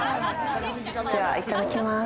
ではいただきます。